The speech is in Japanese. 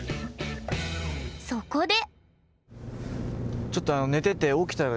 そこで！